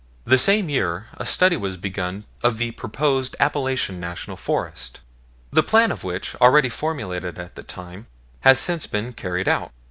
The same year a study was begun of the proposed Appalachian National Forest, the plan of which, already formulated at that time, has since been carried out.